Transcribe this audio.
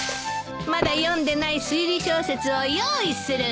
まだ読んでない推理小説を用意する。